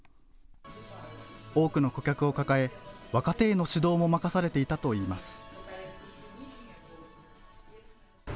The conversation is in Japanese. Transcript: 多くの顧客を抱え若手への指導も任されていたといいます。